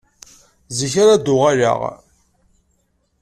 Zik ara d-uɣeleɣ.